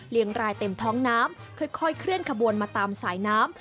รายเต็มท้องน้ำค่อยเคลื่อนขบวนมาตามสายน้ำ